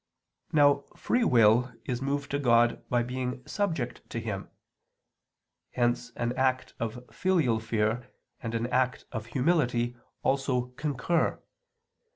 Now free will is moved to God by being subject to Him; hence an act of filial fear and an act of humility also concur.